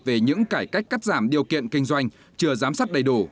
về những cải cách cắt giảm điều kiện kinh doanh chưa giám sát đầy đủ